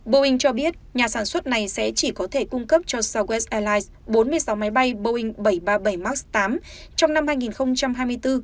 boeing cho biết nhà sản xuất này sẽ chỉ có thể cung cấp cho south watt airlines bốn mươi sáu máy bay boeing bảy trăm ba mươi bảy max tám trong năm hai nghìn hai mươi bốn